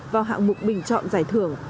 vào hạng mục bình chọn giải thưởng